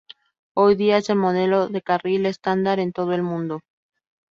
Hoy día es el modelo de carril estándar en todo el mundo.